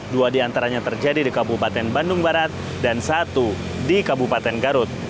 dua diantaranya terjadi di kabupaten bandung barat dan satu di kabupaten garut